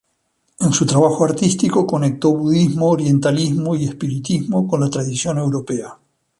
En su trabajo artístico conectó budismo, orientalismo y espiritismo con la tradición europea.